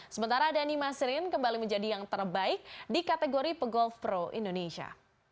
sementara dhani masrin kembali menjadi yang terbaik di kategori pegolf pro indonesia